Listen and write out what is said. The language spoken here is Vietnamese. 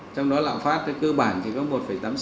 trong đó lạm phát cơ bản chỉ có một tám mươi sáu